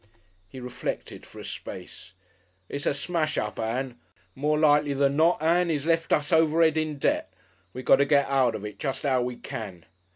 He reflected for a space. "It's a smash up, Ann. More likely than not, Ann, 'e's left us over'ead in debt. We got to get out of it just 'ow we can....